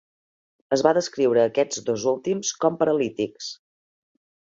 Es va descriure a aquests dos últims com "paralítics".